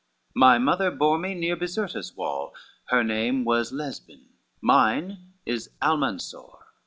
LXXXI "My mother bore me near Bisertus wall, Her name was Lesbine, mine is Almansore!"